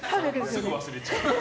すぐ忘れちゃう。